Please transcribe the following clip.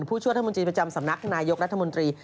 ผู้ช่วยรัฐมนตรีประจำสำนักนายกรัฐมนตรี